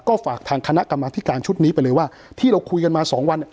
ก็ฝากทางคณะกรรมธิการชุดนี้ไปเลยว่าที่เราคุยกันมาสองวันเนี่ย